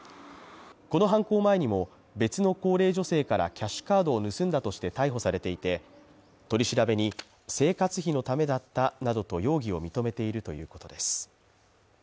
この犯行前にも別の高齢女性からキャッシュカードを盗んだとして逮捕されていて、取り調べに生活費のためだったなどと容疑を認めているということです。